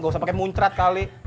gak usah pakai muncrat kali